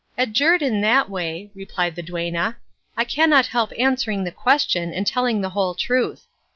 "Adjured in that way," replied the duenna, "I cannot help answering the question and telling the whole truth.